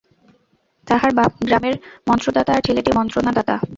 তাহার বাপ গ্রামের মন্ত্রদাতা আর ছেলেটি মন্ত্রণাদাতা।